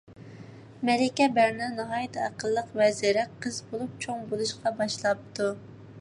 مەلىكە بەرنا ناھايىتى ئەقىللىق ۋە زېرەك قىز بولۇپ چوڭ بولۇشقا باشلاپتۇ.